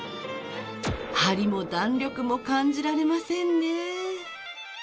ハリも弾力も感じられませんね。